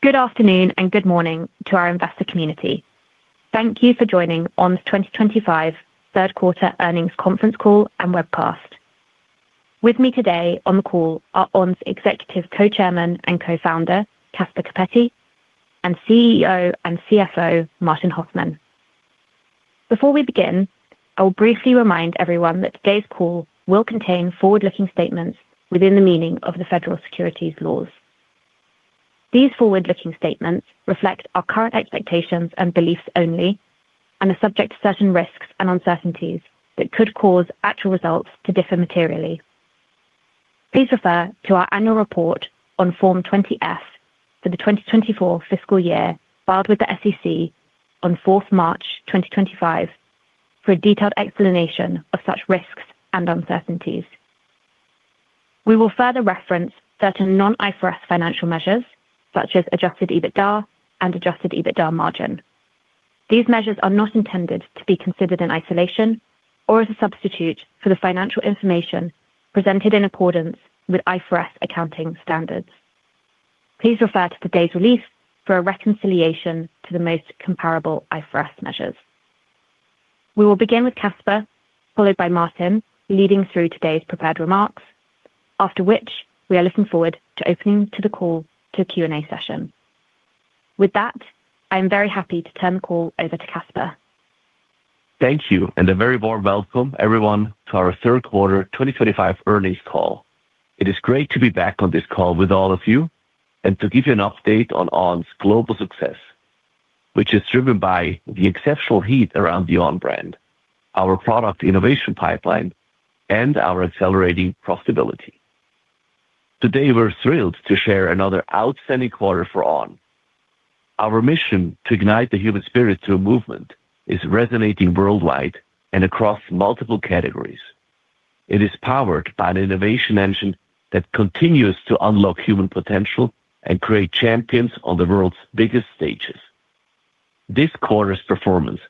Good afternoon and good morning to our investor community. Thank you for joining On's 2025 third quarter earnings conference call and webcast. With me today on the call are On's Executive Co-Chairman and Co-Founder Caspar Coppetti and CEO and CFO Martin Hoffmann. Before we begin, I will briefly remind everyone that today's call will contain forward-looking statements within the meaning of the federal securities laws. These forward-looking statements reflect our current expectations and beliefs only and are subject to certain risks and uncertainties that could cause actual results to differ materially. Please refer to our annual report on Form 20-F for the 2024 fiscal year filed with the SEC on March 4, 2025 for a detailed explanation of such risks and uncertainties. We will further reference certain non-IFRS financial measures such as adjusted EBITDA and adjusted EBITDA margin. These measures are not intended to be considered in isolation or as a substitute for the financial information presented in accordance with IFRS accounting standards. Please refer to today's release for a reconciliation to the most comparable IFRS measures. We will begin with Caspar, followed by Martin, leading through today's prepared remarks, after which we are looking forward to opening the call to Q&A session. With that I am very happy to turn the call over to Caspar. Thank you and a very warm welcome everyone to our third quarter 2025 earnings call. It is great to be back on this call with all of you and to give you an update on On's global success which is driven by the exceptional heat around the On brand, our product innovation pipeline and our accelerating profitability. Today we're thrilled to share another outstanding quarter for On. Our mission to ignite the human spirit through movement is resonating worldwide and across multiple categories. It is powered by an innovation engine that continues to unlock human potential and create champions on the world's biggest stages. This quarter's performance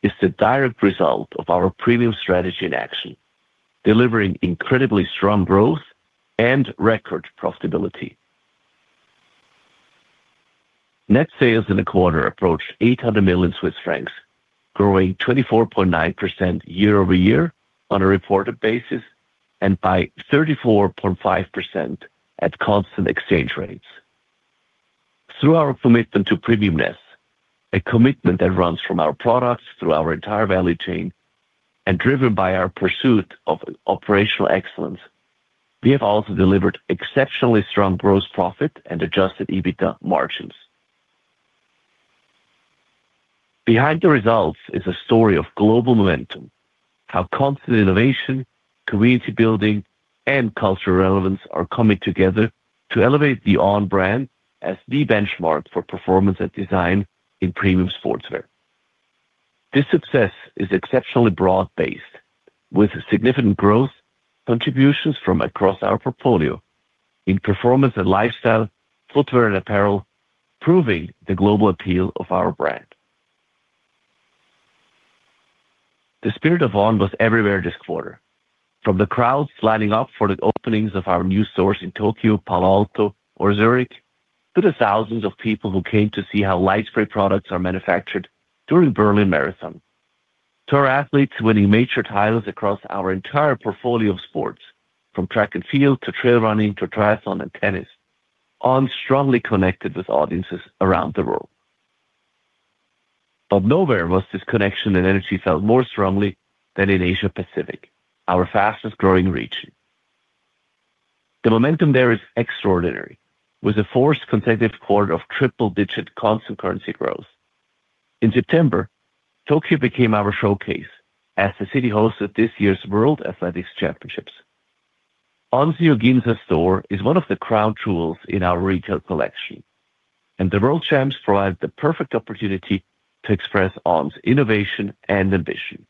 is the direct result of our premium strategy in action, delivering incredibly strong growth and record profitability. Net sales in the quarter approached 800 million Swiss francs, growing 24.9% year over year on a reported basis and by 34.5% at constant exchange rates through our commitment to premiumness, a commitment that runs from our products through our entire value chain and driven by our pursuit of operational excellence. We have also delivered exceptionally strong gross profit and adjusted EBITDA margins. Behind the results is a story of global momentum, how constant innovation, community building and cultural relevance are coming together to elevate the On brand as the benchmark for performance and design in premium sportswear. This success is exceptionally broad based with significant growth contributions from across our portfolio in performance and lifestyle footwear and apparel, proving the global appeal of our brand. The spirit of On was everywhere this quarter, from the crowds lining up for the openings of our new stores in Tokyo, Palo Alto, or Zurich to the thousands of people who came to see how Lightspray products are manufactured during the Berlin Marathon Tour. Athletes winning major titles across our entire portfolio of sports from track and field to trail running to triathlon and tennis, all strongly connected with audiences around the world. Nowhere was this connection in energy felt more strongly than in Asia Pacific, our fastest growing region. The momentum there is extraordinary. With a fourth consecutive quarter of triple-digit constant currency growth in September, Tokyo became our showcase as the city hosted this year's World Athletics Championships. On the Ginza store is one of the crown jewels in our retail collection and the world champs provided the perfect opportunity to express On's innovation and ambition.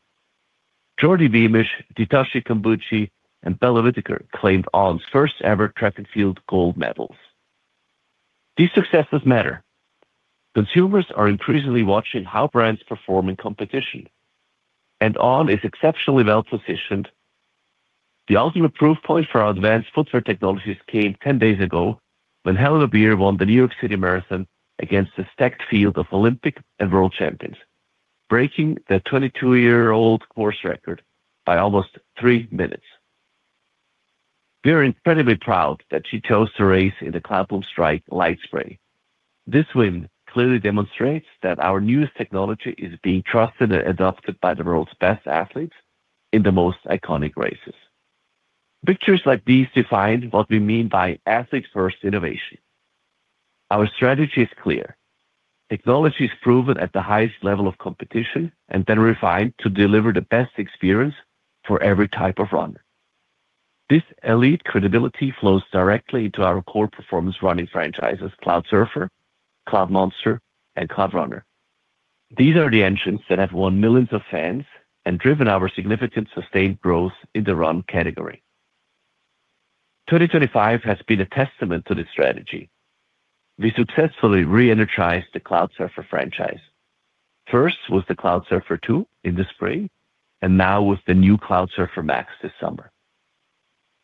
Geordie Beamish, Ditaji Kambundji and Bella Whittaker claimed On's first ever track and field gold medals. These successes matter. Consumers are increasingly watching how brands perform in competition and On is exceptionally well positioned. The ultimate proof point for our advanced footwear technologies came 10 days ago when Hellen Obiri won the New York City Marathon against the stacked field of Olympic and World champions, breaking the 22 year old course record by almost three minutes. We are incredibly proud that she chose to race in the Cloudboom Strike Lightspray. This win clearly demonstrates that our newest technology is being trusted and adopted by the world's best athletes in the most iconic races. Pictures like these define what we mean by ethics. First, innovation. Our strategy is clear. Technology is proven at the highest level of competition and then refined to deliver the best experience for every type of runner. This elite credibility flows directly into our core performance running franchises Cloudsurfer, Cloudmonster, and Cloudrunner. These are the engines that have won millions of fans and driven our significant sustained growth in the run category. 2025 has been a testament to this strategy. We successfully re-energized the Cloudsurfer franchise. First was the Cloudsurfer 2 in the spring and now with the new Cloudsurfer Max this summer,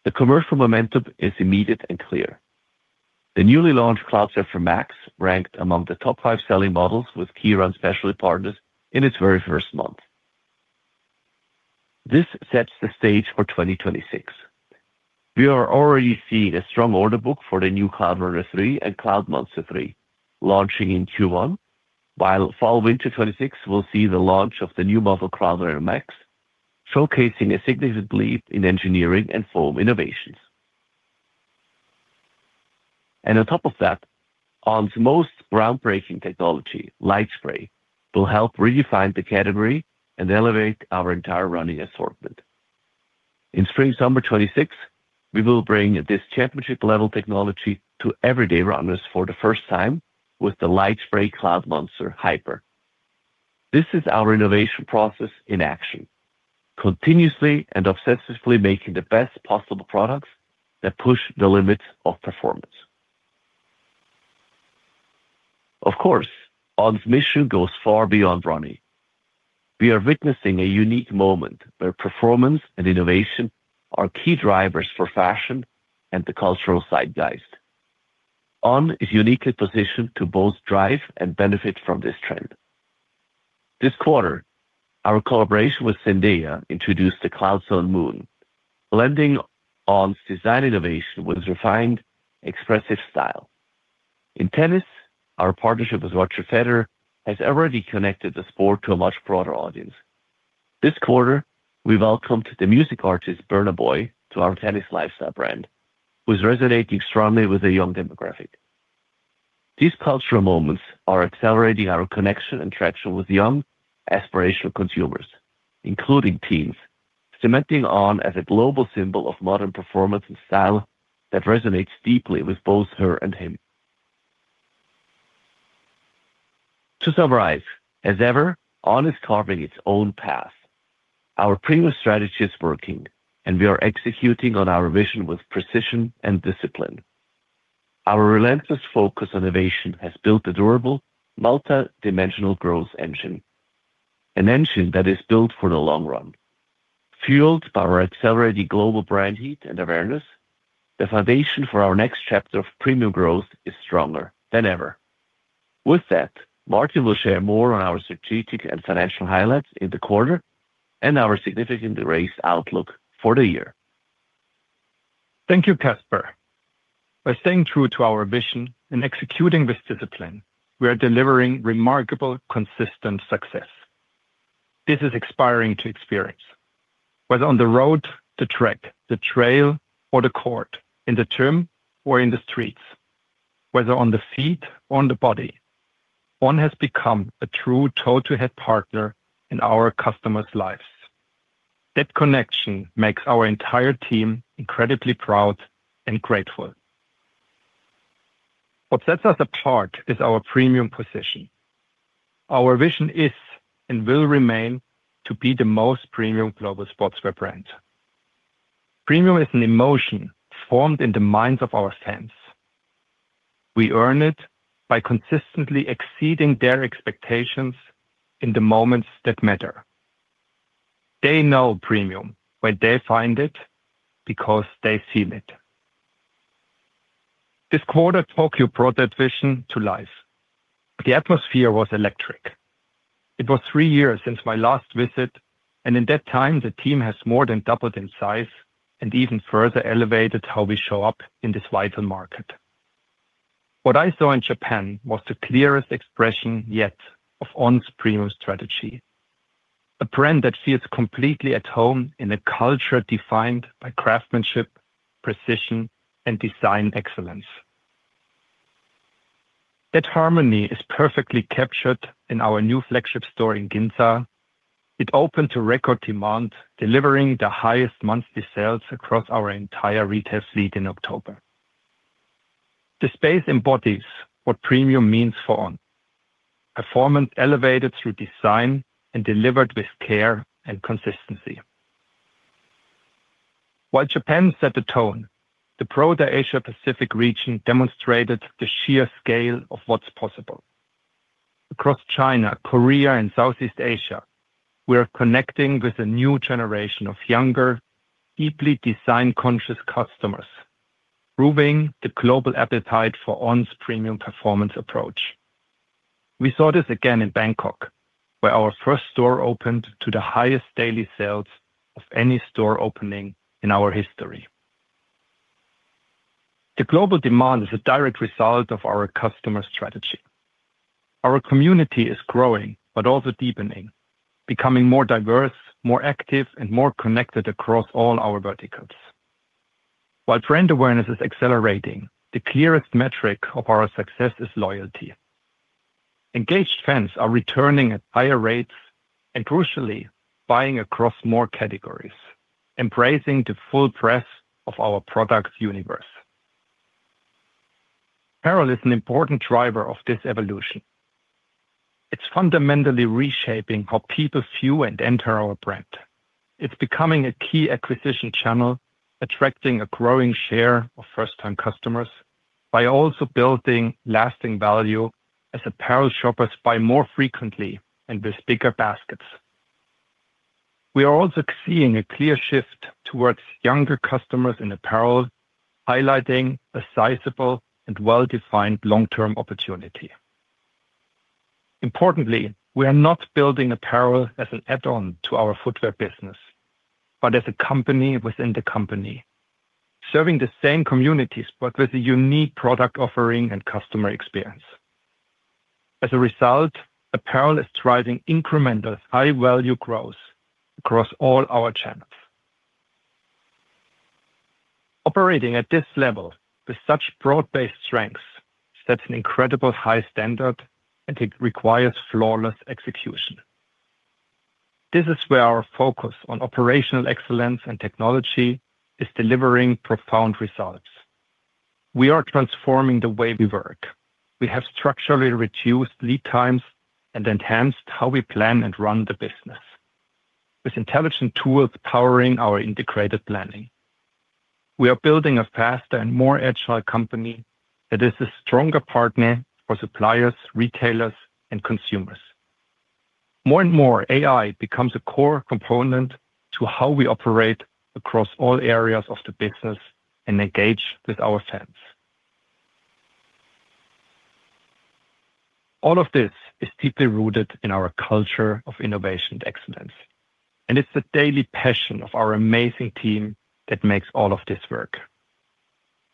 the commercial momentum is immediate and clear. The newly launched Cloudsurfer Max ranked among the top five selling models with key run specialty partners its very first month. This sets the stage for 2026. We are already seeing a strong order book for the new Cloudrunner 3 and Cloudmonster 3 launching in Q1. While Fall Winter 2026 will see the launch of the new model Cloudrunner Max, showcasing a significant leap in engineering and foam innovations. On top of that, On's most groundbreaking technology, Lightspray, will help redefine the category and elevate our entire running assortment. In Spring Summer 2026, we will bring this championship level technology to everyday runners for the first time with the Lightspray Cloudmonster Hyper. This is our innovation process in action, continuously and obsessively making the best possible products that push the limits of performance. Of course, On's mission goes far beyond running. We are witnessing a unique moment where performance and innovation are key drivers for fashion and the cultural zeitgeist. On is uniquely positioned to both drive and benefit from this trend. This quarter our collaboration with Zendaya introduced the Cloudzone Moon, blending On design innovation with refined expressive style. In tennis, our partnership with Roger Federer has already connected the sport to a much broader audience. This quarter we welcomed the music artist Burna Boy to our tennis lifestyle brand who is resonating strongly with the young demographic. These cultural moments are accelerating our connection and traction with young aspirational consumers, including teams cementing On as a global symbol of modern performance and style that resonates deeply with both her and him. To summarize, as ever, On is carving its own path. Our previous strategy is working and we are executing on our vision with precision and discipline. Our relentless focus on innovation has built a durable multi dimensional growth engine. An engine that is built for the long run. Fueled by our accelerated global brand heat and awareness. The foundation for our next chapter of premium growth is stronger than ever. With that, Martin will share more on our strategic and financial highlights in the quarter and our significant race outlook for the year. Thank you Caspar. By staying true to our vision and executing this discipline, we are delivering remarkable consistent success. This is inspiring to experience whether on the road, the track, the trail or the court, in the gym or in the streets, whether on the feet or on the body, On has become a true toe to head partner in our customers' lives. That connection makes our entire team incredibly proud and grateful. What sets us apart is our premium position. Our vision is and will remain to be the most premium global sportswear brand. Premium is an emotion formed in the minds of our fans. We earn it by consistently exceeding their expectations in the moments that matter. They know premium when they find it because they feel it. This quarter Tokyo brought that vision to life. The atmosphere was electric. It was three years since my last visit and in that time the team has more than doubled in size and even further elevated how we show up in this vital market. What I saw in Japan was the clearest expression yet of On's premium strategy. A brand that feels completely at home in a culture defined by craftsmanship, precision and design excellence. That harmony is perfectly captured in our new flagship store in Ginza. It opened to record demand, delivering the highest monthly sales across our entire retail fleet in October. The space embodies what premium means for On performance, elevated through design and delivered with care and consistency. While Japan set the tone, the proto Asia Pacific region demonstrated the sheer scale of what's possible. Across China, Korea and Southeast Asia. We are connecting with a new generation of younger, deeply design conscious customers, proving the global appetite for On's premium performance approach. We saw this again in Bangkok where our first store opened to the highest daily sales of any store opening in our history. The global demand is a direct result of our customer strategy. Our community is growing, but also deepening, becoming more diverse, more active and more connected across all our verticals. While trend awareness is accelerating, the clearest metric of our success is loyalty. Engaged fans are returning at higher rates and, crucially, buying across more categories, embracing the full breadth of our product universe. Retail is an important driver of this evolution. It's fundamentally reshaping how people view and enter our brand. It's becoming a key acquisition channel, attracting a growing share of first time customers. By also building lasting value as apparel shoppers buy more frequently and with bigger baskets. We are also seeing a clear shift towards younger customers in apparel, highlighting a sizable and well defined long term opportunity. Importantly, we are not building apparel as an add on to our footwear business, but as a company within the company, serving the same communities but with a unique product offering and customer experience. As a result, apparel is driving incremental high value growth across all our channels. Operating at this level with such broad based strengths sets an incredible high standard and it requires flawless execution. This is where our focus on operational excellence and technology is delivering profound results. We are transforming the way we work. We have structurally reduced lead times and enhanced how we plan and run the business. With intelligent tools powering our integrated planning, we are building a faster and more agile company that is a stronger partner for suppliers, retailers, and consumers. More and more, AI becomes a core component to how we operate across all areas of the business and engage with our fans. All of this is deeply rooted in our culture of innovation and excellence. It is the daily passion of our amazing team that makes all of this work.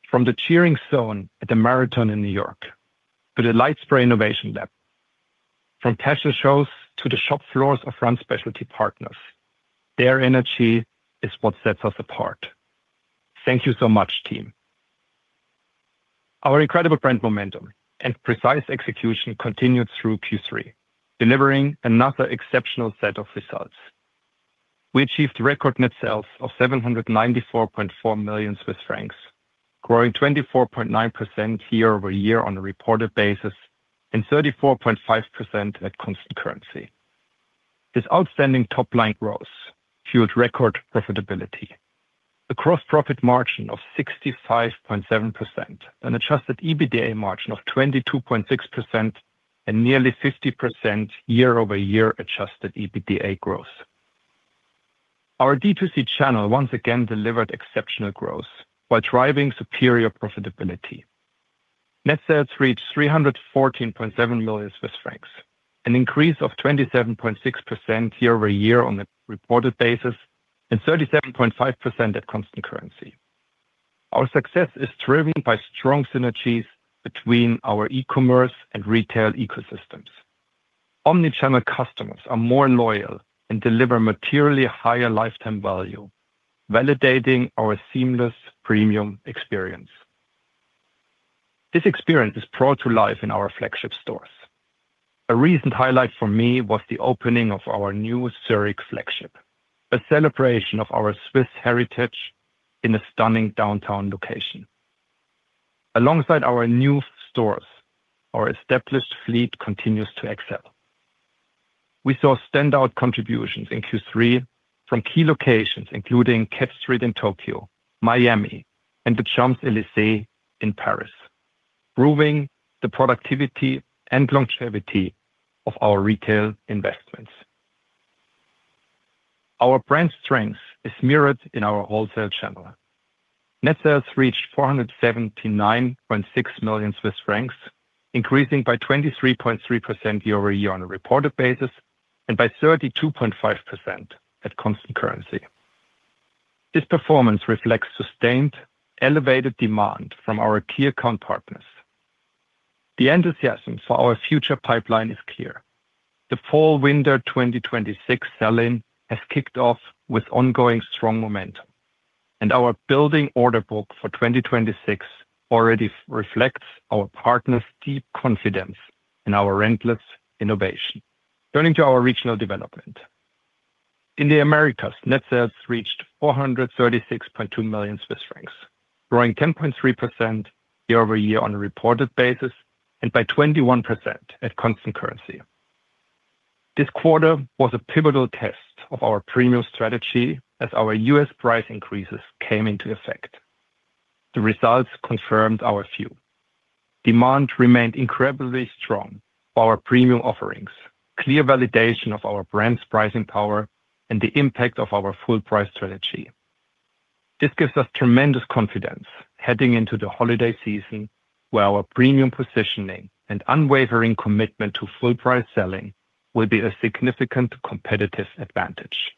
From the cheering zone at the Marathon in New York to the Lightspray Innovation Lab. From fashion shows to the shop floors of run specialty partners. Their energy is what sets us apart. Thank you so much, team. Our incredible brand momentum and precise execution continued through Q3, delivering another exceptional set of results. We achieved record net sales of 794.4 million Swiss francs growing 24.9% year over year on a reported basis and 34.5% at constant currency. This outstanding top line growth fueled record profitability. A gross profit margin of 65.7%, an adjusted EBITDA margin of 22.6% and nearly 50% year over year adjusted EBITDA growth. Our D2C channel once again delivered exceptional growth while driving superior profitability. Net sales reached 314.7 million Swiss francs, an increase of 27.6% year over year on the reported basis and 37.5% at constant currency. Our success is driven by strong synergies between our e-commerce and retail ecosystems. Omnichannel customers are more loyal and deliver materially higher lifetime value, validating our seamless premium experience. This experience is brought to life in our flagship stores. A recent highlight for me was the opening of our new Zurich flagship, a celebration of our Swiss heritage in a stunning downtown location alongside our new stores. Our established fleet continues to excel. We saw standout contributions in Q3 from key locations including Cat Street in Tokyo, Miami, and the Champs-Élysées in Paris, proving the productivity and longevity of our retail investments. Our brand strength is mirrored in our wholesale channel. Net sales reached 479.6 million Swiss francs, increasing by 23.3% year over year on a reported basis and by 32.5% at constant currency. This performance reflects sustained elevated demand from our key account partners. The enthusiasm for our future pipeline is clear. The fall winter 2026 sell-in has kicked off with ongoing strong momentum and our building order book for 2026 already reflects our partners' deep confidence in our endless innovation. Turning to our regional development in the Americas, net sales reached 436.2 million Swiss francs growing 10.3% year over year on a reported basis and by 21% at constant currency. This quarter was a pivotal test of our premium strategy as our U.S. price increases came into effect. The results confirmed our view. Demand remained incredibly strong for our premium offerings, clear validation of our brand's pricing power and the impact of our full price strategy. This gives us tremendous confidence heading into the holiday season where our premium positioning and unwavering commitment to full price selling will be a significant competitive advantage.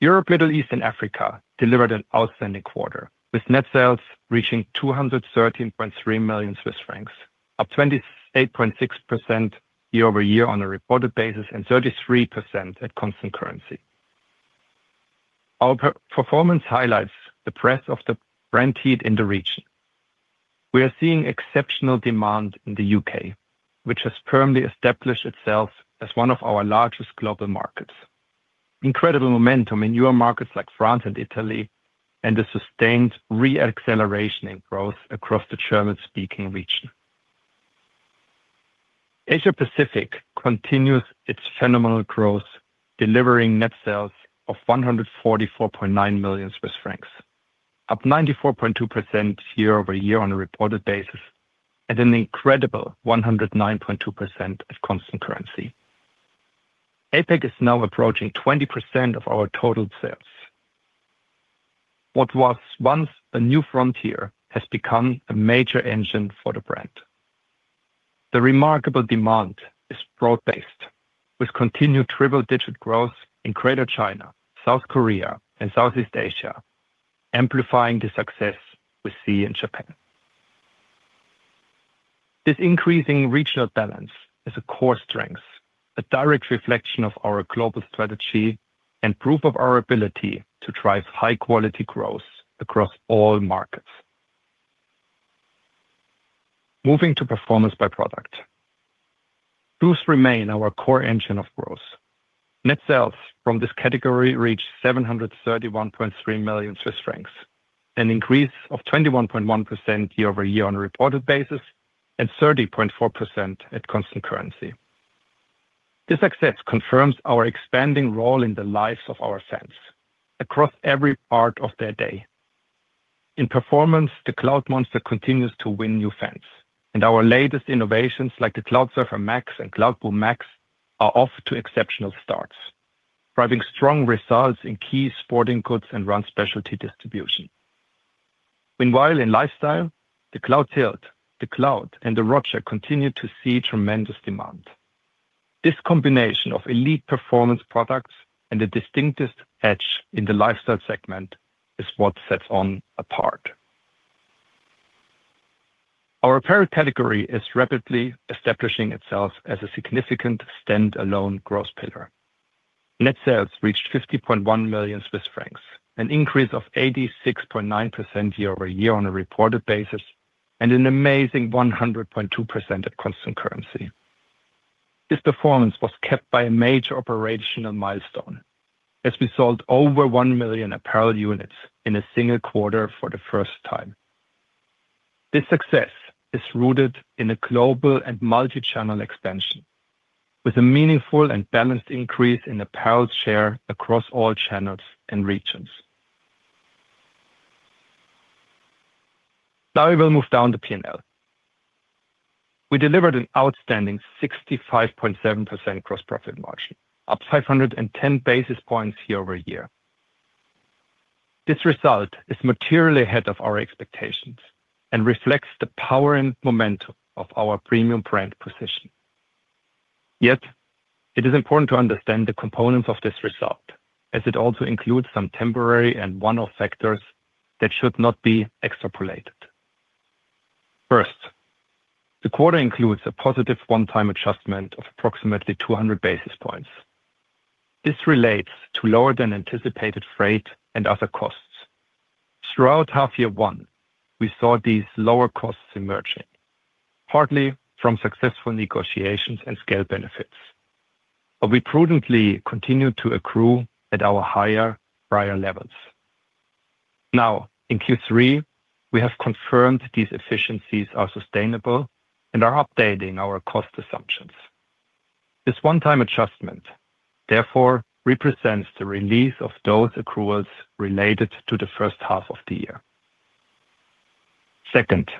Europe, Middle East and Africa delivered an outstanding quarter with net sales reaching 213.3 million Swiss francs up 28.6% year over year on a reported basis and 33% at constant currency. Our performance highlights the breadth of the brand heat in the region. We are seeing exceptional demand in the U.K., which has firmly established itself as one of our largest global markets, incredible momentum in newer markets like France and Italy, and a sustained re-acceleration in growth across the German-speaking region. Asia Pacific continues its phenomenal growth, delivering net sales of 144.9 million Swiss francs, up 94.2% year over year on a reported basis and an incredible 109.2% at constant currency. APEC is now approaching 20% of our total sales. What was once a new frontier has become a major engine for the brand. The remarkable demand is broad based, with continued triple-digit growth in Greater China, South Korea, and Southeast Asia amplifying the success we see in Japan. This increasing regional balance is a core strength, a direct reflection of our global strategy, and proof of our ability to drive high-quality growth across all markets. Moving to performance by product, truth remain our core engine of growth. Net sales from this category reached 731.3 million Swiss francs, an increase of 21.1% year over year on a reported basis and 30.4% at constant currency. This success confirms our expanding role in the lives of our fans across every part of their day. In performance, the Cloudmonster continues to win new fans and our latest innovations like the Cloudsurfer Max and Cloudboom Max are off to exceptional starts, driving strong results in key sporting goods and run specialty distribution. Meanwhile, in lifestyle, the Cloudtilt, the Cloud, and The ROGER continue to see tremendous demand. This combination of elite performance products and the distinctive edge in the lifestyle segment is what sets On apart. Our apparel category is rapidly establishing itself as a significant standalone growth pillar. Net sales reached 50.1 million Swiss francs, an increase of 86.9% year over year on a reported basis and an amazing 100.2% at constant currency. This performance was kept by a major operational milestone as we sold over 1 million apparel units in a single quarter for the first time. This success is rooted in a global and multi channel expansion with a meaningful and balanced increase in apparel share across all channels and regions. Now we will move down the P&L. We delivered an outstanding 65.7% gross profit margin, up 510 basis points year over year. This result is materially ahead of our expectations and reflects the power and momentum of our premium brand position. Yet it is important to understand the components of this result as it also includes some temporary and one off factors that should not be extrapolated. First, the quarter includes a positive one time adjustment of approximately 200 basis points. This relates to lower than anticipated freight and other costs. Throughout half year one we saw these lower costs emerging partly from successful negotiations and scale benefits, but we prudently continued to accrue at our higher prior levels. Now in Q3 we have confirmed these efficiencies are sustainable and are updating our cost assumptions. This one time adjustment therefore represents the release of those accruals related to the first half of the year. Second,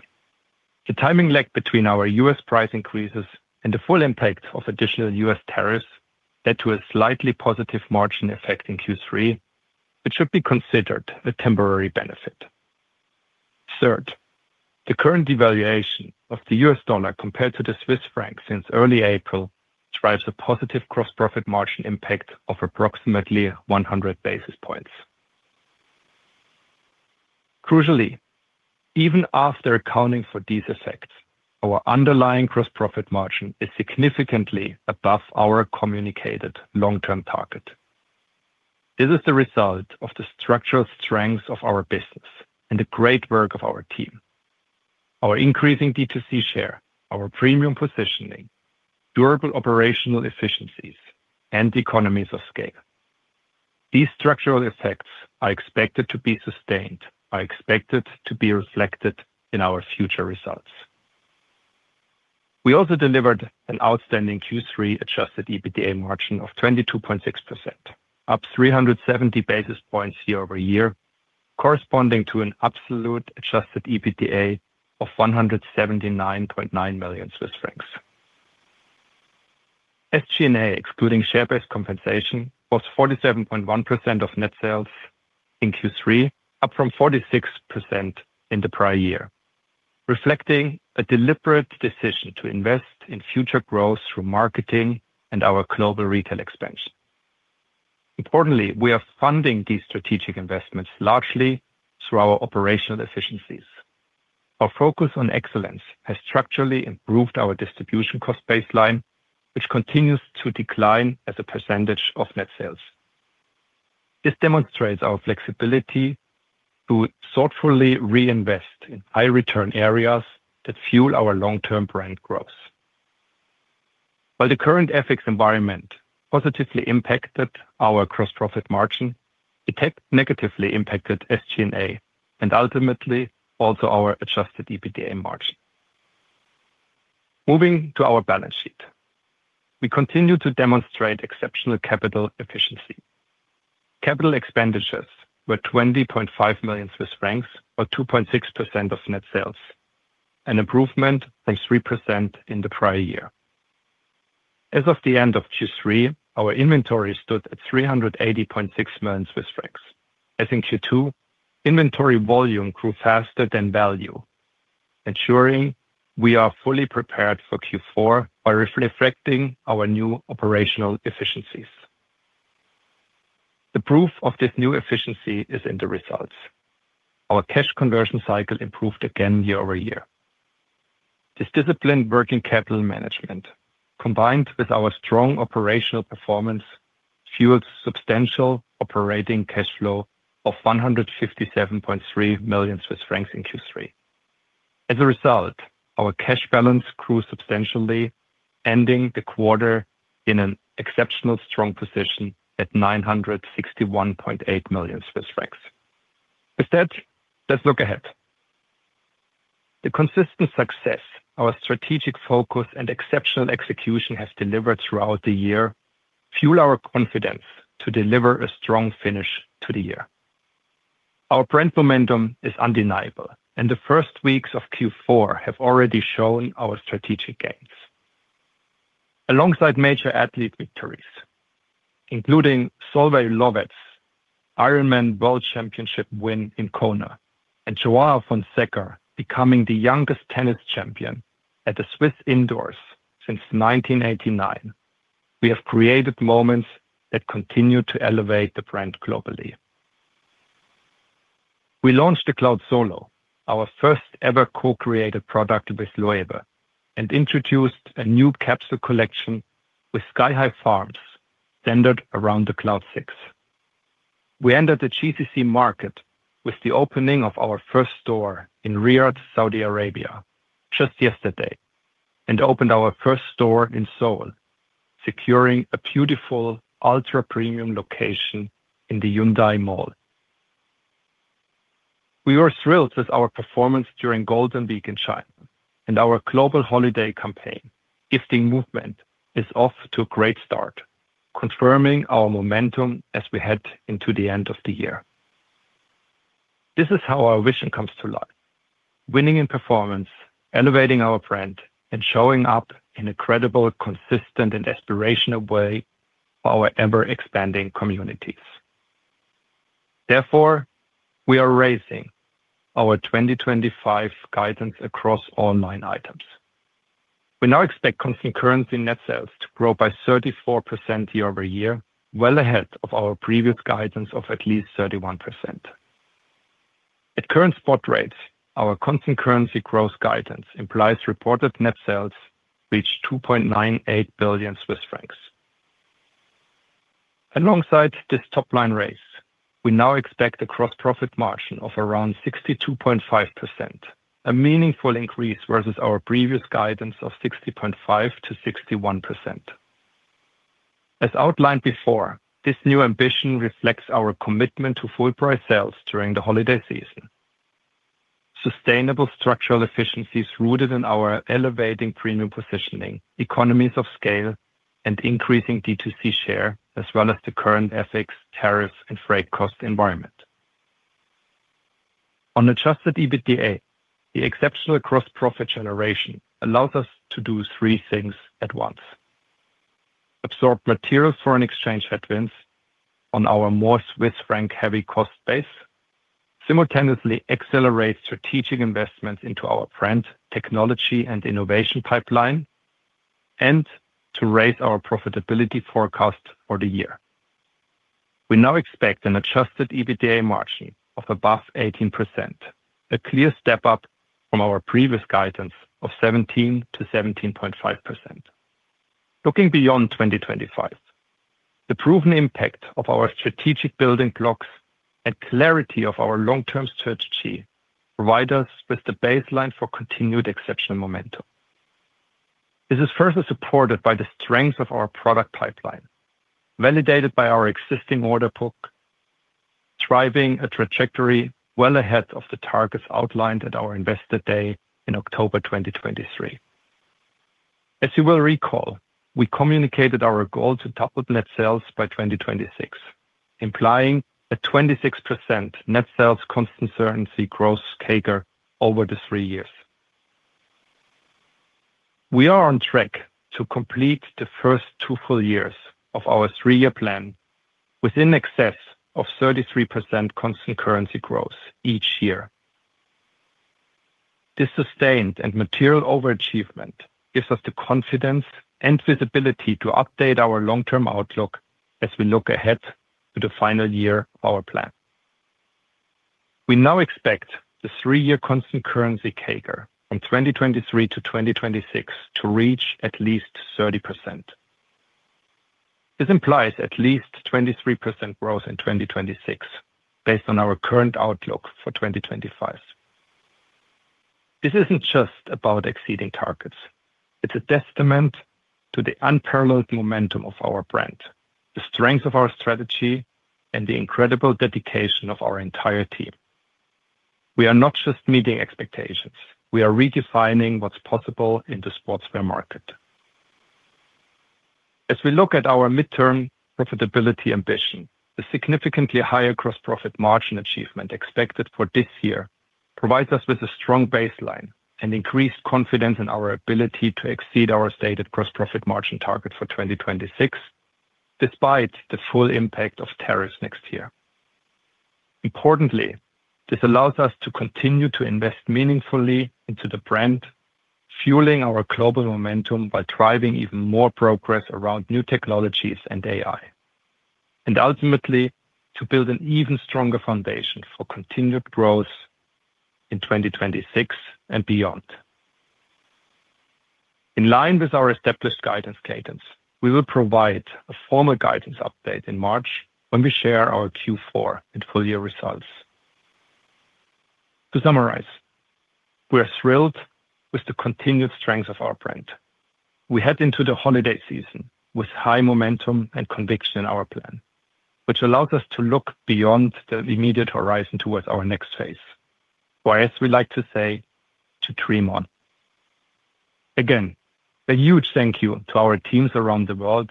the timing lag between our U.S. price increases and the full impact of additional U.S. tariffs led to a slightly positive margin effect in Q3 which should be considered a temporary benefit. Third, the current devaluation of the US dollar compared to the Swiss franc since early April drives a positive gross profit margin impact of approximately 100 basis points. Crucially, even after accounting for these effects, our underlying gross profit margin is significantly above our communicated long term target. This is the result of the structural strength of our business and the great work of our team, our increasing D2C share, our premium positioning, durable operational efficiencies and economies of scale. These structural effects are expected to be sustained and are expected to be reflected in our future results. We also delivered an outstanding Q3 adjusted EBITDA margin of 22.6%, up 370 basis points year over year, corresponding to an absolute adjusted EBITDA of CHF 179.9 million. SG&A excluding share based compensation was 47.1% of net sales in Q3, up from 46% in the prior year, reflecting a deliberate decision to invest in future growth through marketing and our global retail expansion. Importantly, we are funding these strategic investments largely through our operational efficiencies. Our focus on excellence has structurally improved our distribution cost baseline, which continues to decline as a percentage of net sales. This demonstrates our flexibility to thoughtfully reinvest in high return areas that fuel our long term brand growth. While the current FX environment positively impacted our gross profit margin, it negatively impacted SG&A and ultimately also our adjusted EBITDA margin. Moving to our balance sheet, we continue to demonstrate exceptional capital efficiency. Capital expenditures were 20.5 million Swiss francs or 2.6% of net sales, an improvement from 3% in the prior year. As of the end of Q3 our inventory stood at 380.6 million Swiss francs. As in Q2, inventory volume grew faster than value, ensuring we are fully prepared for Q4 by reflecting our new operational efficiencies. The proof of this new efficiency is in the results. Our cash conversion cycle improved again year over year. This disciplined working capital management combined with our strong operational performance fueled substantial operating cash flow of 157.3 million Swiss francs in Q3. As a result, our cash balance grew substantially, ending the quarter in an exceptionally strong position at 961.8 million Swiss francs. With that, let's look ahead. The consistent success our strategic focus and exceptional execution have delivered throughout the year fuel our confidence to deliver a strong finish to the year. Our brand momentum is undeniable and the first weeks of Q4 have already shown our strategic gains. Alongside major athlete victories including Solveig Løvseth Ironman World Championship win in Kona and Joao Fonseca becoming the youngest tennis champion at the Swiss indoors since 1989, we have created moments that continue to elevate the brand globally. We launched the Cloudsolo, our first ever co-created product with LOEWE and introduced a new capsule collection with Sky High Farm centered around the Cloud 6. We entered the GCC market with the opening of our first store in Riyadh, Saudi Arabia just yesterday and opened our first store in Seoul, securing a beautiful ultra-premium location in the Hyundai Mall. We were thrilled with our performance during Golden Week in China and our global holiday campaign gifting movement is off to a great start, confirming our momentum as we head into the end of the year. This is how our vision comes to life. Winning in performance, elevating our brand and showing up in a credible, consistent and aspirational way for our ever expanding communities. Therefore, we are raising our 2025 guidance across all line items. We now expect constant currency net sales to grow by 34% year over year, well ahead of our previous guidance of at least 31% at current spot rates. Our constant currency growth guidance implies reported net sales reached 2.98 billion Swiss francs. Alongside this top line raise, we now expect a gross profit margin of around 62.5%, a meaningful increase versus our previous guidance of 60.5%-61%. As outlined before, this new ambition reflects our commitment to full price sales during the holiday season. Sustainable structural efficiency is rooted in our elevating premium positioning, economies of scale and increasing D2C share as well as the current FX tariffs and freight cost environment on adjusted EBITDA. The exceptional gross profit generation allows us to do three things: absorb material foreign exchange headwinds on our more Swiss franc heavy cost base, simultaneously accelerate strategic investments into our brand, technology, and innovation pipeline, and to raise our profitability forecast for the year. We now expect an adjusted EBITDA margin of above 18%, a clear step up from our previous guidance of 17%-17.5%. Looking beyond 2025, the proven impact of our strategic building blocks and clarity of our long term strategy provide us with the baseline for continued exceptional momentum. This is further supported by the strength of our product pipeline, validated by our existing order book, driving a trajectory well ahead of the targets outlined at our Investor Day in October 2023. As you will recall, we communicated our goal to double net sales by 2026, implying a 26% net sales constant currency CAGR over the three years. We are on track to complete the first two full years of our three year plan with in excess of 33% constant currency growth each year. This sustained and material overachievement gives us the confidence and visibility to update our long term outlook as we look ahead to the final year of our plan. We now expect the three year constant currency CAGR from 2023-2026 to reach at least 30%. This implies at least 23% growth in 2026 based on our current outlook for 2025. This isn't just about exceeding targets, it's a testament to the unparalleled momentum of our brand, the strength of our strategy, and the incredible dedication of our entire team. We are not just meeting expectations, we are redefining what's possible in the sportswear market. As we look at our mid term profitability ambition, the significantly higher gross profit margin achievement expected for this year provides us with a strong baseline and increased confidence in our ability to exceed our stated gross profit margin target for 2026 despite the full impact of tariffs next year. Importantly, this allows us to continue to invest meaningfully into the brand, fueling our global momentum by driving even more progress around new technologies and AI and ultimately to build an even stronger foundation for continued growth in 2026 and beyond. In line with our established guidance cadence, we will provide a formal guidance update in March when we share our Q4 and full year results. To summarize, we are thrilled with the continued strength of our brand. We head into the holiday season with high momentum and conviction in our plan which allows us to look beyond the immediate horizon towards our next phase or as we like to say, to dream on. Again, a huge thank you to our teams around the world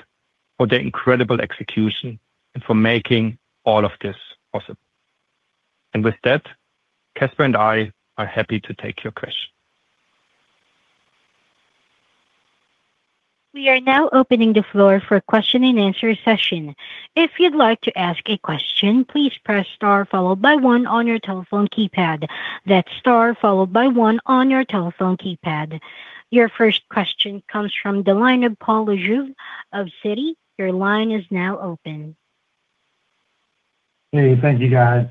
for their incredible execution and for making all of this possible. With that, Caspar and I are happy to take your questions. We are now opening the floor for question and answer session. If you'd like to ask a question, please press star followed by one on your telephone keypad. That's star followed by one on your telephone keypad. Your first question comes from the line of Paula Juv of Citi. Your line is now open. Hey, thank you, guys.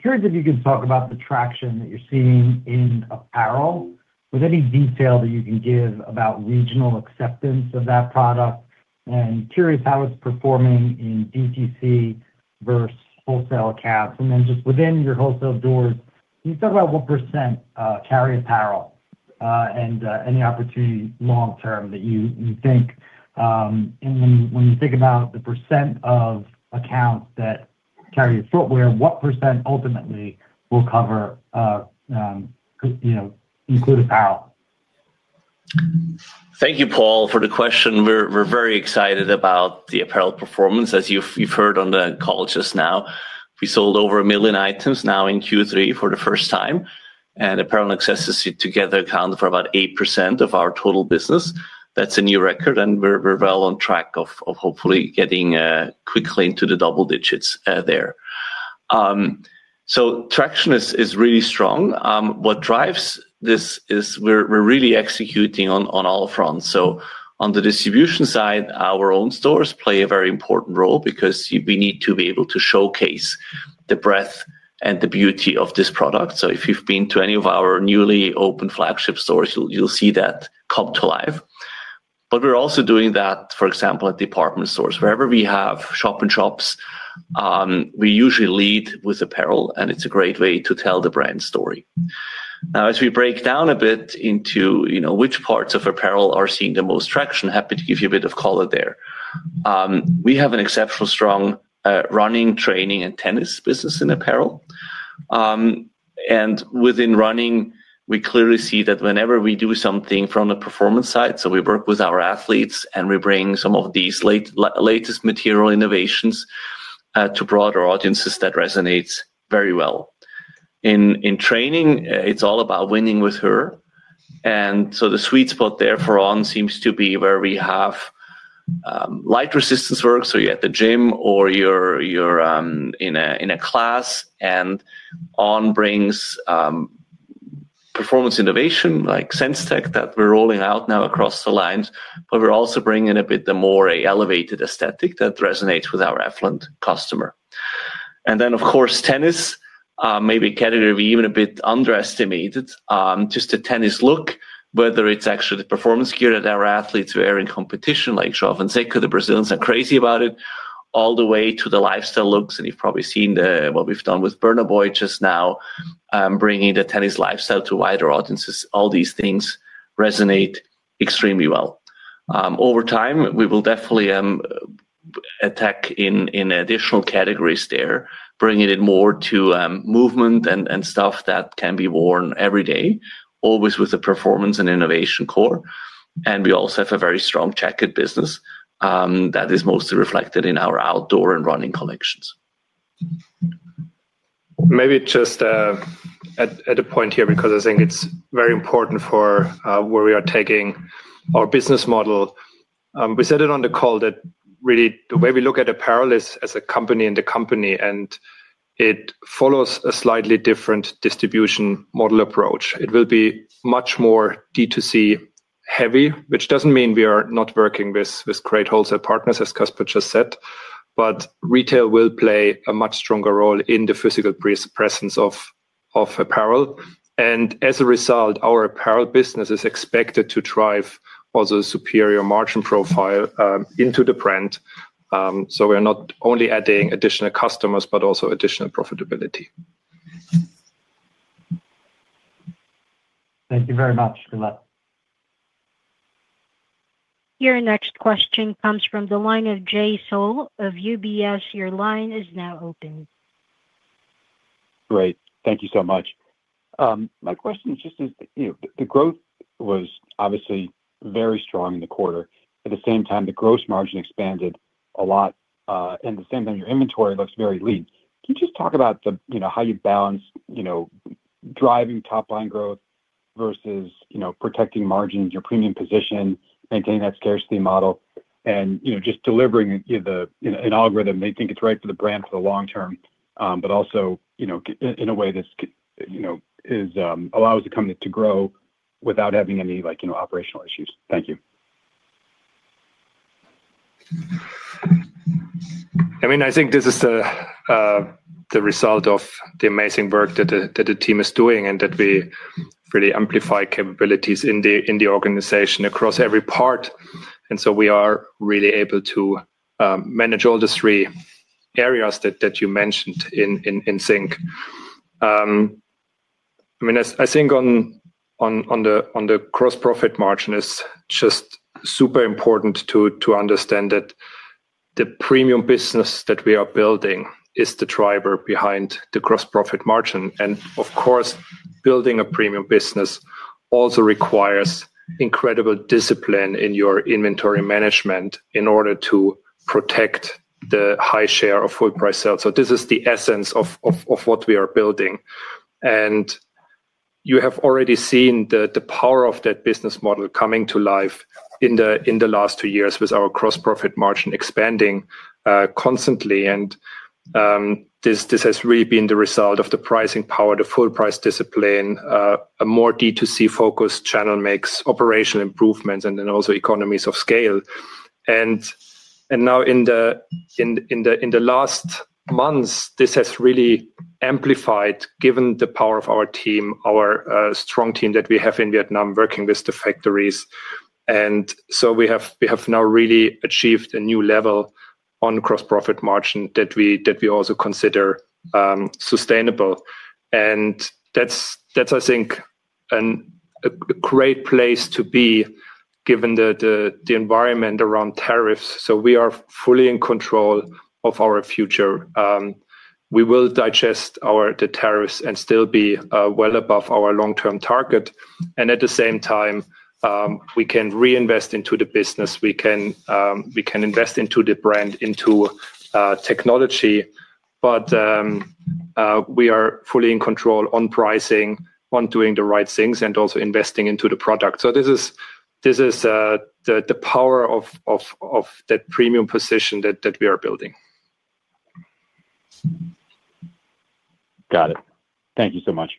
Curious if you could talk about the traction that you're seeing in apparel with any detail that you can give about regional acceptance of that product. Curious how it's performing in D2C versus wholesale caps. Within your wholesale doors, can you talk about what percent carry apparel and any opportunity long term that you think when you think about the percent of accounts that carry footwear, what percent ultimately will, you know, include apparel. Thank you, Paul, for the question. We're very excited about the apparel performance. As you've heard on the call just now, we sold over a million items now in Q3 for the first time. Apparel and accessibility together accounted for about 8% of our total business. That's a new record and we're well on track of hopefully getting quickly into the double digits there. Traction is really strong. What drives this is we're really executing on all fronts. On the distribution side, our own stores play a very important role because we need to be able to showcase the breadth and the beauty of this product. If you've been to any of our newly open flagship stores, you'll see that come to life. We're also doing that, for example, at department stores. Wherever we have shop and shops, we usually lead with apparel, and it's a great way to tell the brand story. Now, as we break down a bit into, you know, which parts of apparel are seeing the most traction, happy to give you a bit of color there. We have an exceptional strong running, training, and tennis business in apparel, and within running, we clearly see that whenever we do something from the performance side. So we work with our athletes, and we bring some of these latest material innovations to broader audiences. That resonates very well in training. It's all about winning with her, and so the sweet spot there for On seems to be where we have light resistance work. You're at the gym or you're in a class and On brings performance innovation like SenseTech that we're rolling out now across the lines. We're also bringing a bit the more elevated aesthetic that resonates with our affluent customer. Of course, tennis maybe category even a bit underestimated, just a tennis look. Whether it's actually the performance gear that our athletes are wearing, competition like Joao Fonseca, the Brazilians are crazy about it, all the way to the lifestyle looks. You've probably seen what we've done with Burna Boy just now, bringing the tennis lifestyle to wider audiences. All these things resonate extremely well over time. We will definitely attack in additional categories there, bringing it more to movement and stuff that can be worn every day or always with the performance and innovation core. We also have a very strong jacket business that is mostly reflected in our outdoor and running collections. Maybe just add a point here because I think it's very important for where we are taking our business model. We said it on the call that really the way we look at apparel is as a company and the company and it follows a slightly different distribution model, model approach. It will be much more D2C heavy, which doesn't mean we are not working with great wholesale partners as Caspar just said. Retail will play a much stronger role in the physical presence of apparel. As a result, our apparel business is expected to drive also a superior margin profile into the brand. We are not only adding additional customers, but also additional profitability. Thank you very much. Good luck. Your next question comes from the line of Jay Sole of UBS. Your line is now open. Great, thank you so much. My question is just, you know, the growth was obviously very strong in the quarter. At the same time the gross margin expanded a lot and the same thing, your inventory looks very lean. Can you just talk about the, you know, how you balance, you know, driving top line growth versus, you know, protecting margins, your premium position, maintain that scarcity model and you know, just delivering the an algorithm, they think it's right for the brand for the long term, but also, you know, in a way that, you know, is allows the company to grow without having any like, you know, operational issues. Thank you. I mean, I think this is the result of the amazing work that the team is doing and that we really amplify capabilities in the organization across every part. We are really able to manage all the three areas that you mentioned in sync. I think on the gross profit margin, it is just super important to understand that the premium business that we are building is the driver behind the gross profit margin. Of course, building a premium business also requires incredible discipline in your inventory management in order to protect the high share of full price sales. This is the essence of what we are building and you have already seen the power of that business model coming to life in the last two years with our gross profit margin expanding constantly. This has really been the result of the pricing power, the full price discipline, a more D2C focused channel, operational improvements, and then also economies of scale. In the last months, this has really amplified given the power of our strong team that we have in Vietnam working with the factories. We have now really achieved a new level on gross profit margin that we also consider sustainable. That is, I think, a great place to be given the environment around tariffs. We are fully in control of our future. We will digest our tariffs and still be well above our long term target. At the same time, we can reinvest into the business, we can invest into the brand, into technology, but we are fully in control on pricing, on doing the right things and also investing into the product. This is the power of that premium position that we are building. Got it. Thank you so much.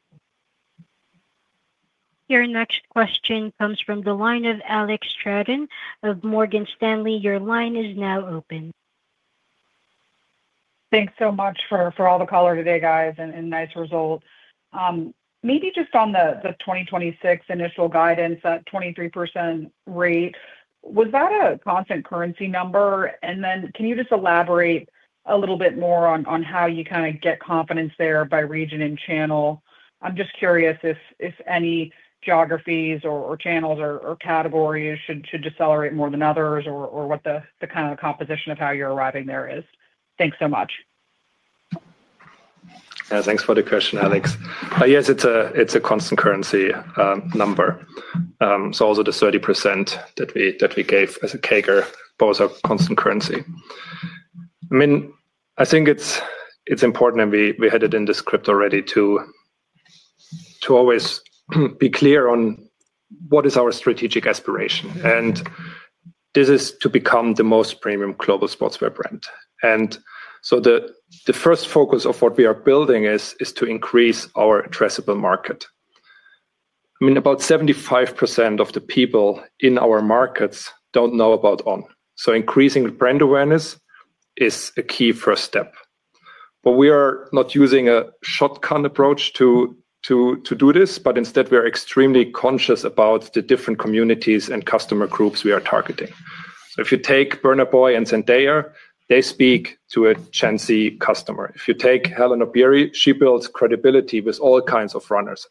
Your next question comes from the line of [Alex Drebin] of Morgan Stanley. Your line is now open. Thanks so much for all the color today, guys. Nice result. Maybe just on the 2026 initial guidance, that 23% rate, was that a constant currency number? Can you elaborate a little bit more on how you get confidence there by region and channel? I'm curious if any geographies or channels or categories should decelerate more than others or what the composition of how you're arriving there is. Thanks so much. Thanks for the question, Alex. Yes, it's a constant currency number. Also, the 30% that we gave as a CAGR, both are constant currency. I mean, I think it's important, and we had it in the script already, to always be clear on what is our strategic aspiration. This is to become the most premium global sportswear brand. The first focus of what we are building is to increase our addressable market. I mean, about 75% of the people in our markets don't know about On. Increasing brand awareness is a key first step. We are not using a shotgun approach to do this. Instead, we are extremely conscious about the different communities and customer groups we are targeting. If you take Burna Boy and Zendaya, they speak to a Gen Z customer. If you take Hellen Obiri, she builds credibility with all kinds of runners.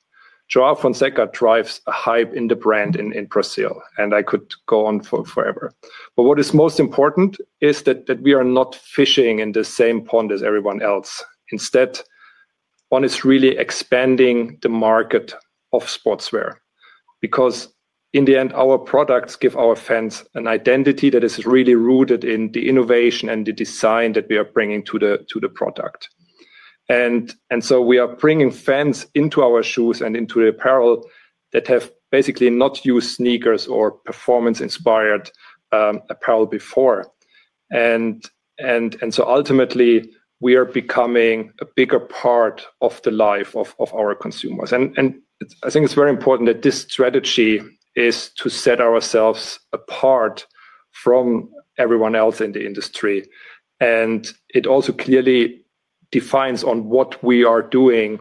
Joao Fonseca drives a hype in the brand in Brazil. I could go on for forever. What is most important is that we are not fishing in the same pond as everyone else. Instead, On is really expanding the market of sportswear because in the end, our products give our fans an identity that is really rooted in the innovation and the design that we are bringing to the product. We are bringing fans into our shoes and into the apparel that have basically not used sneakers or performance inspired apparel before. Ultimately we are becoming a bigger part of the life of our consumers. I think it's very important that this strategy is to set ourselves apart from everyone else in the industry, and it also clearly defines on what we are doing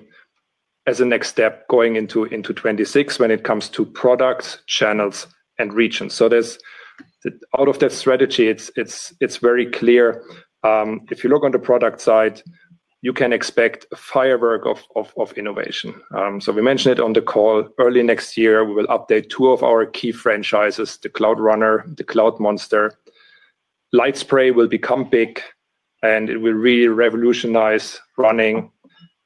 as a next step going into 2026 when it comes to products, channels, and regions. Out of that strategy, it's very clear if you look on the product side, you can expect a firework of innovation. We mentioned it on the call. Early next year we will update two of our key franchises, the Cloudrunner, the Cloudmonster. Lightspray will become big, and it will really revolutionize running.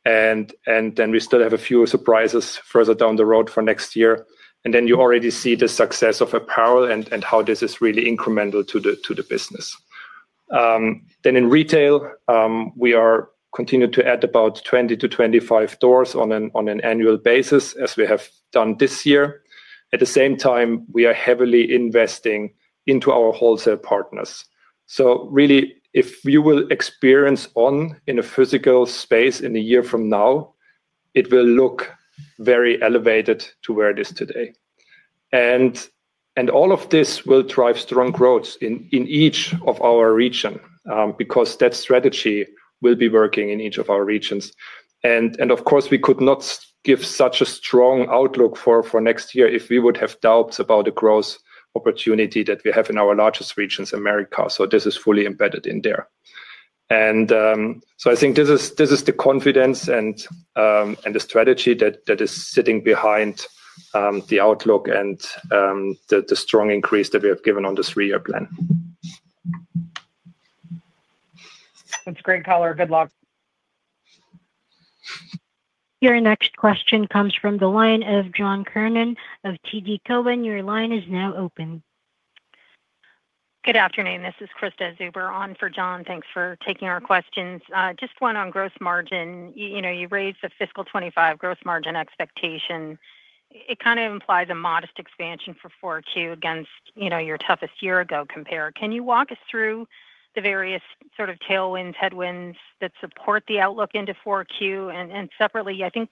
We still have a few surprises further down the road for next year. You already see the success of apparel and how this is really incremental to the business. In retail we are continuing to add about 20-25 doors on an annual basis as we have done this year. At the same time we are heavily investing into our wholesale partners. If you experience On in a physical space in a year from now, it will look very elevated to where it is today. All of this will drive strong growth in each of our region because that strategy will be working in each of our regions. Of course we could not give such a strong outlook for next year if we would have doubts about the growth opportunity that we have in our largest regions, America. This is fully embedded in there. I think this is the confidence and the strategy that is sitting behind the outlook and the strong increase that we have given on the three year plan. That's great color. Good luck. Your next question comes from the line of John Kernan of TD Cowen. Your line is now open. Good afternoon, this is Krista Zuber on for John. Thanks for taking our questions. Just one on gross margin, you know you raised the fiscal 2025 gross margin expectation. It kind of implies a modest expansion for 4Q against, you know, your toughest year ago compare. Can you walk us through the various sort of tailwinds, headwinds that support the outlook into 4Q and separately I think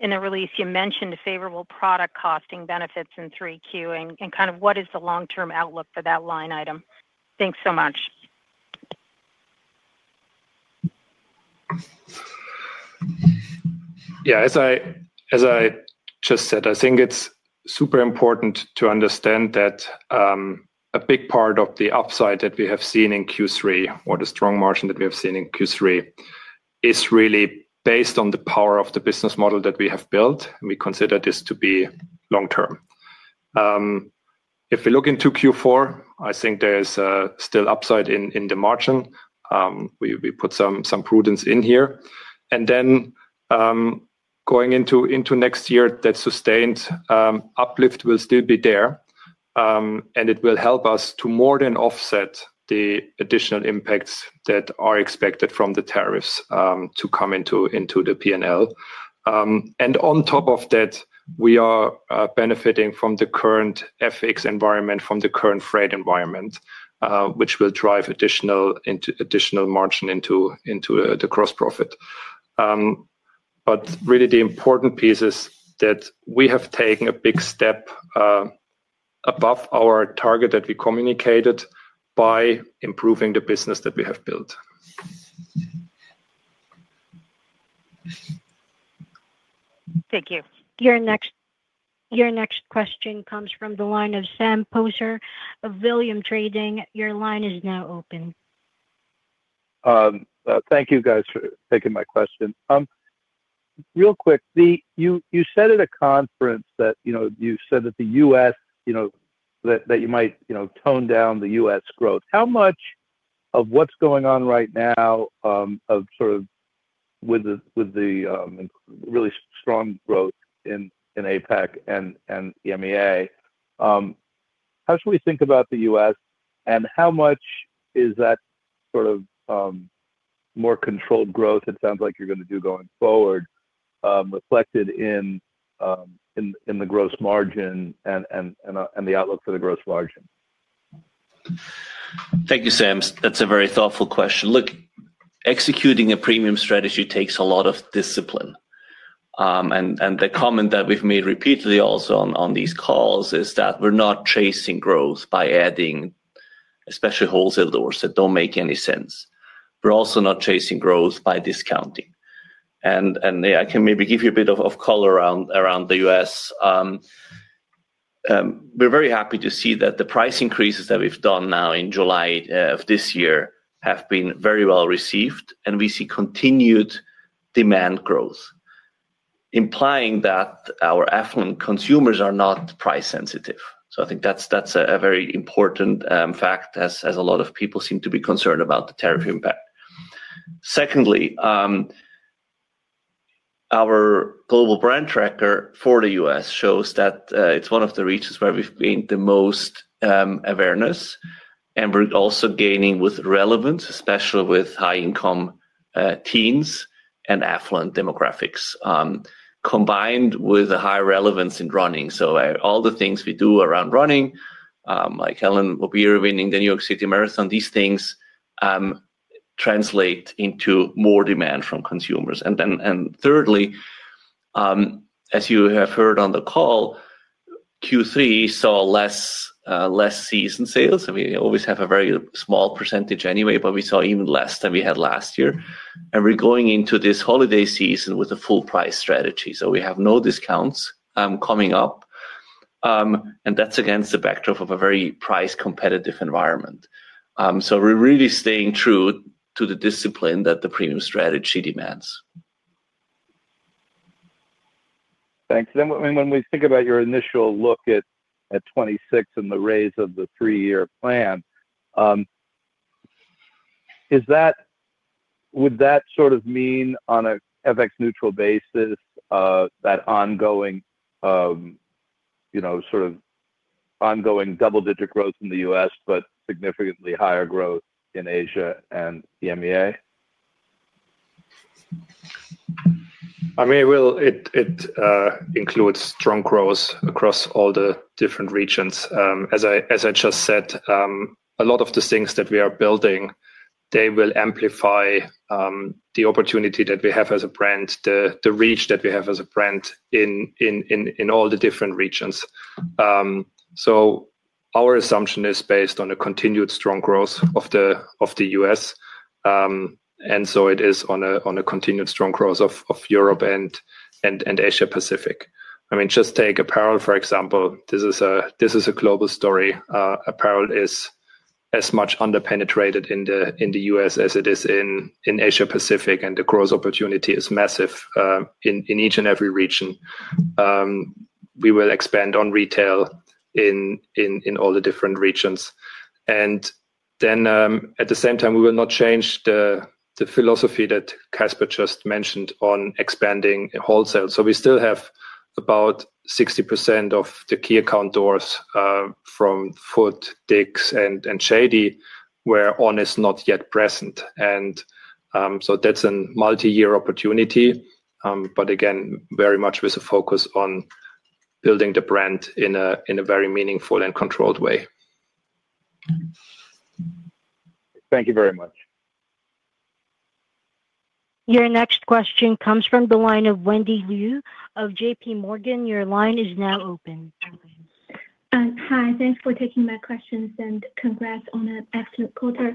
in the release you mentioned favorable product costing benefits in 3Q and kind of what is the long term outlook for that line item? Thanks so much. Yeah, as I just said, I think it's super important to understand that a big part of the upside that we have seen in Q3 or the strong margin that we have seen in Q3 is really based on the power of the business model that we have built. We consider this to be long term. If we look into Q4, I think there is still upside in the margin. We put some prudence in here and then going into next year that sustained uplift will still be there and it will help us to more than offset the additional impacts that are expected from the tariffs to come into the P&L. On top of that, we are benefiting from the current FX environment, from the current freight environment, which will drive additional margin into the gross profit. Really the important pieces that we have taken a big step above our target that we communicated by improving the business that we have built. Thank you. Your next question comes from the line of Sam Poser of Williams Trading. Your line is now open. Thank you guys for taking my question. Real quick, you said at a conference that, you know, you said that the U.S., you know, that you might, you know, tone down the U.S. growth. How much of what's going on right now of sort of with the really strong growth in APEC and EMEA, how should we think about the U.S. and how much is that sort of more controlled growth? It sounds like you're going to do going forward reflected in the gross margin and the outlook for the gross margin. Thank you, Sam. That's a very thoughtful question. Look, executing a premium strategy takes a lot of discipline. The comment that we've made repeatedly also on these calls is that we're not chasing growth by adding especially wholesale doors that don't make any sense. We're also not chasing growth by discounting. I can maybe give you a bit of color around the U.S. We're very happy to see that the price increases that we've done now in July of this year have been very well received and we see continued demand growth implying that our affluent consumers are not price sensitive. I think that's a very important fact as a lot of people seem to be concerned about the tariff impact. Secondly, our global brand tracker for the U.S. shows that it's one of the regions where we've gained the most awareness and we're also gaining with relevance, especially with high income teens and affluent demographics combined with a high relevance in running. All the things we do around running, like Hellen Obiri winning the New York City Marathon, these things translate into more demand from consumers. Thirdly, as you have heard on the call, Q3 saw less season sales. We always have a very small percentage anyway, but we saw even less than we had last year. We are going into this holiday season with a full price strategy. We have no discounts coming up. That is against the backdrop of a very price competitive environment. We are really staying true to the discipline that the premium strategy demands. Thanks. When we think about your initial look at 2026 and the raise of the three year plan, is that would that sort of mean on a FX neutral basis that ongoing, you know, sort of ongoing double-digit growth in the U.S. significantly higher growth in Asia and the MEA? I mean, it includes strong growth across all the different regions. As I just said, a lot of the things that we are building, they will amplify the opportunity that we have as a brand, the reach that we have as a brand in all the different regions. Our assumption is based on a continued strong growth of the U.S. and it is on a continued strong growth of Europe and Asia Pacific. I mean just take apparel for example. This is a global story. Apparel is as much underpenetrated in the U.S. as it is in Asia Pacific. The growth opportunity is massive in each and every region. We will expand on retail in all the different regions and at the same time we will not change the philosophy that Caspar just mentioned on expanding wholesale. We still have about 60% of the key account doors from Foot, Dick's, and Shady where On is not yet present. That is a multi-year opportunity, but again very much with a focus on building the brand in a very meaningful and controlled way. Thank you very much. Your next question comes from the line of [Wendy Hugh] of JPMorgan. Your line is now open. Hi, thanks for taking my questions and congrats on an excellent quarter.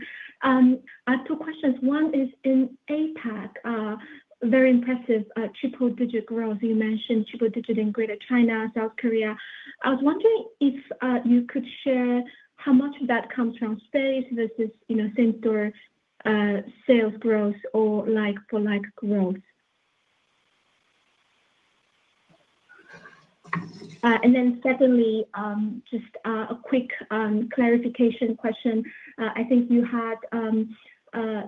Two questions. One is in APAC, very impressive triple-digit growth. You mentioned triple-digit in Greater China, South Korea. I was wondering if you could share how much of that comes from space versus, you know, same store sales growth or like-for-like growth. Secondly, just a quick clarification question. I think you had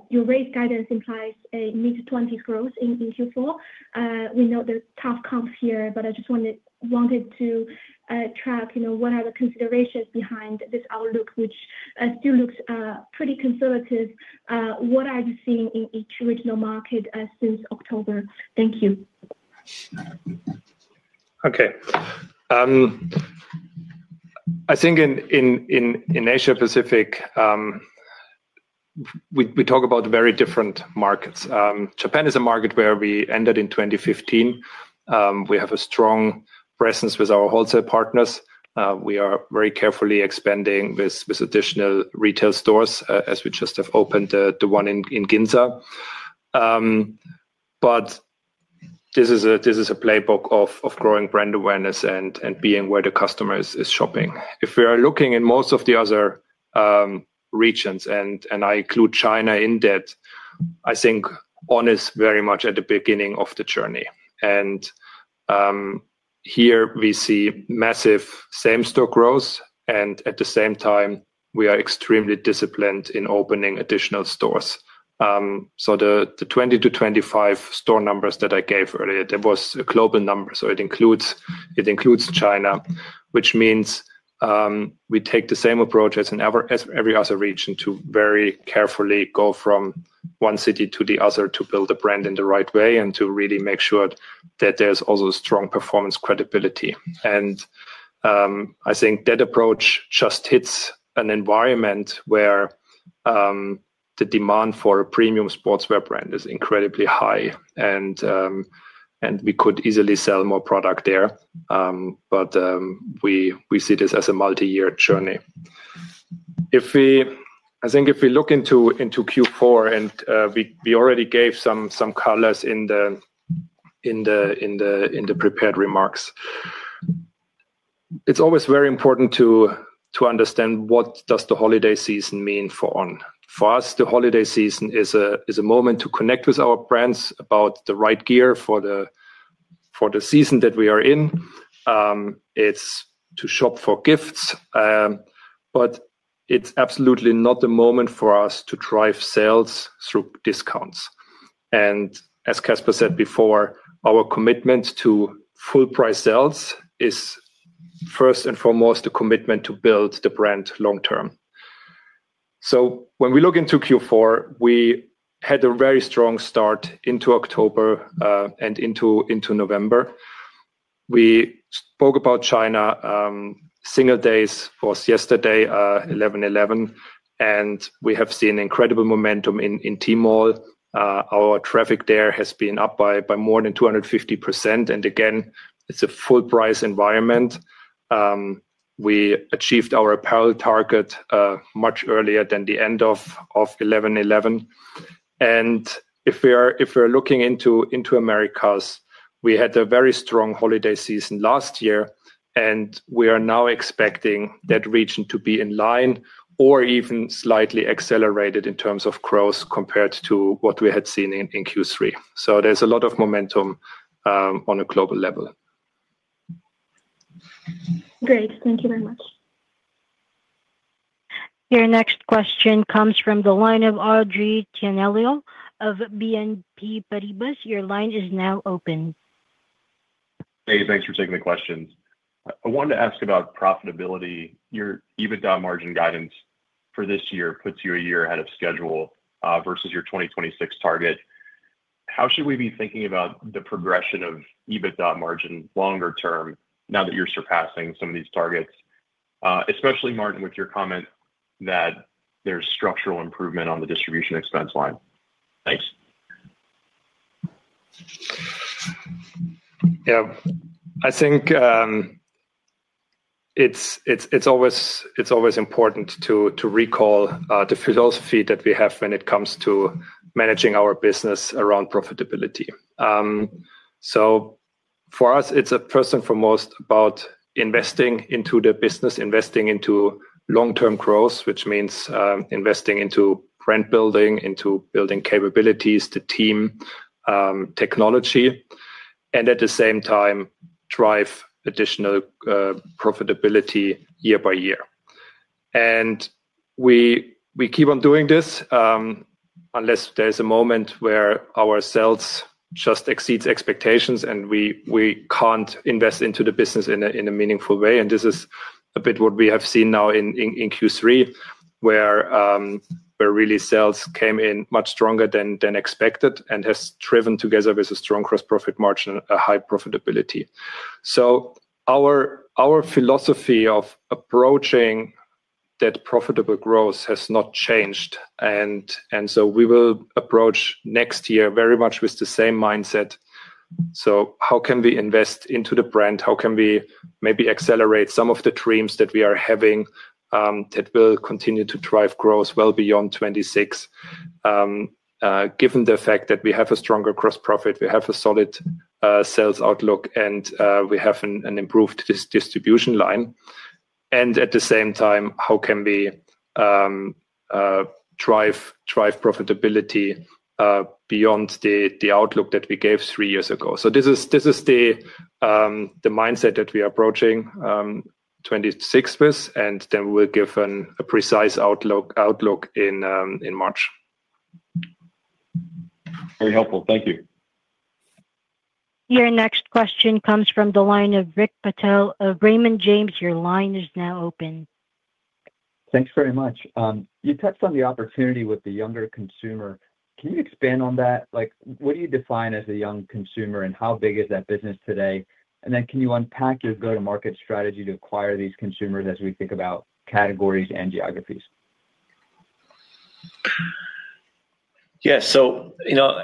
your raised guidance implies a mid-20s growth in Q4. We know that tough comps here. I just wanted to track, you know, what are the considerations behind this outlook which still looks pretty conservative. What are you seeing in each regional market since October? Thank you. Okay. I think in Asia Pacific we talk about very different markets. Japan is a market where we entered in 2015. We have a strong presence with our wholesale partners. We are very carefully expanding with additional retail stores, as we just have opened the one in Ginza. This is a playbook of growing brand awareness and being where the customer is shopping. If we are looking in most of the other regions, and I include China in that, I think On is very much at the beginning of the journey and here we see massive same store growth and at the same time we are extremely disciplined in opening additional stores. The 20-25 store numbers that I gave earlier, that was a global number, so it includes China, which means we take the same approach as in every other region to very carefully go from one city to the other to build a brand in the right way and to really make sure that there's also strong performance credibility. I think that approach just hits an environment where the demand for a premium sportswear brand is incredibly high and we could easily sell more product there. We see this as a multi-year journey. I think if we look into Q4, and we already gave some colors in the prepared remarks, it's always very important to understand what does the holiday season mean for On. For us, the holiday season is a moment to connect with our brands about the right gear for the season that we are in. It's to shop for gifts, but it's absolutely not the moment for us to drive sales through discounts. As Caspar said before, our commitment to full price sales is first and foremost a commitment to build the brand long term. When we look into Q4, we had a very strong start into October and into November. We spoke about China. Singles Day was yesterday, 11/11. We have seen incredible momentum in Tmall. Our traffic there has been up by more than 250% and again, it's a full price environment. We achieved our apparel target much earlier than the end of 11/11. If we're looking into Americas, we had a very strong holiday season last year and we are now expecting that region to be in line or even slightly accelerated in terms of growth compared to what we had seen in Q3. There is a lot of momentum on a global level. Great. Thank you very much. Your next question comes from the line of Aubrey Tianello of BNP Paribas. Your line is now open. Hey, thanks for taking the questions. I wanted to ask about profitability. Your EBITDA margin guidance for this year puts you a year ahead of schedule versus your 2026 target. How should we be thinking about the progression of EBITDA margin longer term now that you're surpassing some of these targets? Especially Martin, with your comment that there's structural improvement on the distribution expense line. Thanks. Yeah, I think it's always important to recall the philosophy that we have when it comes to managing our business around profitability. For us it's first and foremost about investing into the business, investing into long term growth, which means investing into brand building, into building capabilities, the team, technology, and at the same time drive additional profitability year by year. We keep on doing this unless there's a moment where our sales just exceeds expectations and we can't invest into the business in a meaningful way. This is a bit what we have seen now in Q3, where really sales came in much stronger than expected and has driven, together with a strong gross profit margin, a high profitability. Our philosophy of approaching that profitable growth has not changed. We will approach next year very much with the same mindset. How can we invest into the brand? How can we maybe accelerate some of the dreams that we are having that will continue to drive growth well beyond 2026, given the fact that we have a stronger gross profit, we have a solid sales outlook and we have an improved distribution line. At the same time, how can. We drive profitability beyond the outlook that we gave three years ago? This is the mindset that we are approaching 2026 with and then we'll give a precise outlook in March. Very helpful, thank you. Your next question comes from the line of Rick Patel. Raymond James, your line is now open. Thanks very much. You touched on the opportunity with the younger consumer. Can you expand on that? Like what do you define as a young consumer and how big is that business today? Can you unpack your go-to-market strategy to acquire these consumers as we think about categories and geographies? Yes. You know,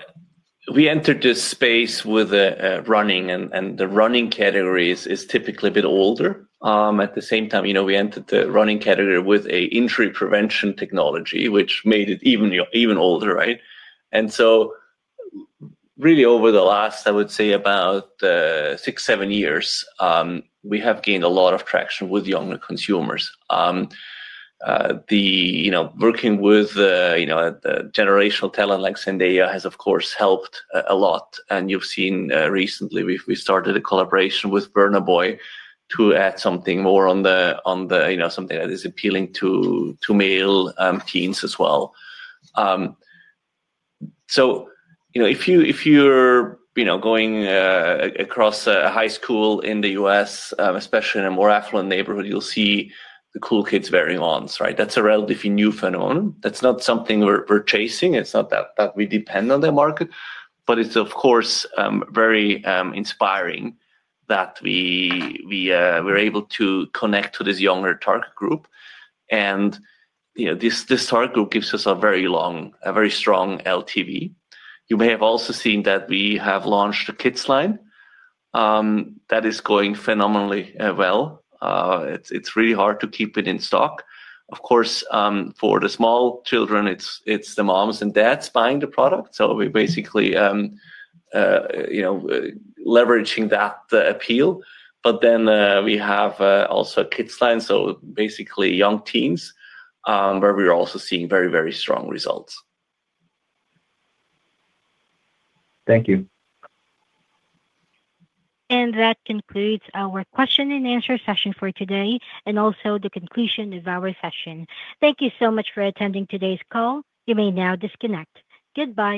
we entered this space with running, and the running category is typically a bit older. At the same time, you know, we entered the running category with an injury prevention technology, which made it even, even older. Right. Over the last, I would say about six, seven years, we have gained a lot of traction with younger consumers. You know, working with generational talent like Zendaya has of course helped a lot. You have seen recently we have started a collaboration with Burna Boy to add something more on the, you know, something that is appealing to male teens as well. If you are going across a high school in the U.S., especially in a more affluent neighborhood, you will see the cool kids wearing On. That is a relatively new phenomenon. That is not something we are chasing. It is not that we depend on the market, but it is, of course, very inspiring that we were able to connect to this younger target group. This target group gives us a very long, a very strong LTV. You may have also seen that we have launched a kids line that is going phenomenally well. It's really hard to keep it in stock. Of course, for the small children, it's the moms and dads buying the product. We are basically leveraging that appeal. We also have a kids line, so basically young teens, where we are also seeing very, very strong results. Thank you. That concludes our question and answer session for today and also the conclusion of our session. Thank you so much for attending today's call. You may now disconnect. Goodbye.